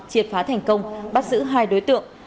chiệt phá thành công bắt giữ hai đối tượng